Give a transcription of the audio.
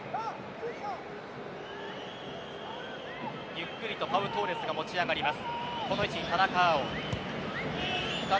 ゆっくりとパウ・トーレスが持ち上がります。